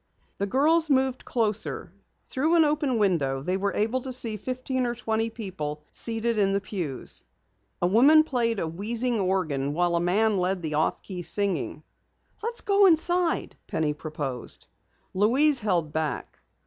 The girls moved closer. Through an open window they were able to see fifteen or twenty people seated in the pews. A woman played a wheezing organ while a man led the off key singing. "Let's go inside," Penny proposed. Louise held back.